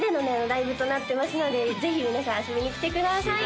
ライブとなってますのでぜひ皆さん遊びに来てください